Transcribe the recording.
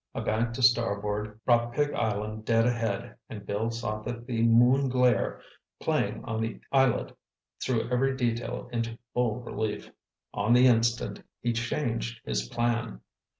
A bank to starboard brought Pig Island dead ahead and Bill saw that the moon glare, playing on the islet, threw every detail into bold relief. On the instant he changed his plan.